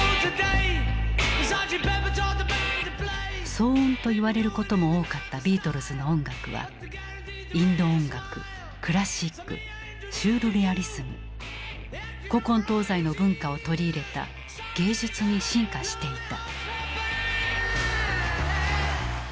騒音と言われることも多かったビートルズの音楽はインド音楽クラシックシュールレアリスム古今東西の文化を取り入れた芸術に進化していた。